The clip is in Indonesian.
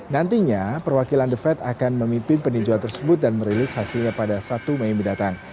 nantinya perwakilan the fed akan memimpin peninjauan tersebut dan merilis hasilnya pada satu mei mendatang